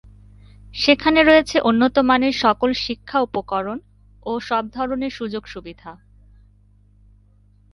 সেখানে রয়েছে উন্নত মানের সকল শিক্ষা উপকরণ ও সবধরনের সুযোগ সুবিধা।